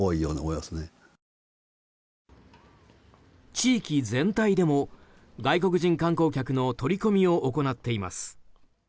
地域全体でも外国人観光客の取り込みを行っています。